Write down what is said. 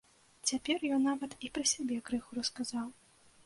Цяпер ён нават і пра сябе крыху расказаў.